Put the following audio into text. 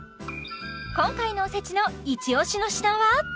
今回のおせちのイチオシの品は？